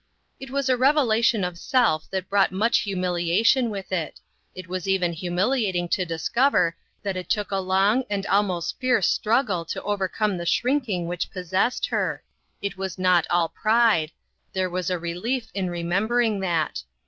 It was a revelation of self that brought much humiliation with it. It was even humiliating to discover that it took a long and almost fierce struggle to overcome the shrinking which possessed her. It was not all pride ; there was a relief in remem bering that.